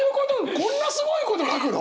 こんなすごいこと書くの？